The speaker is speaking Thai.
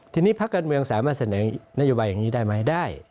ทีนี้พักการเมืองสามารถเสนอนโยบายอย่างนี้ได้ไหมได้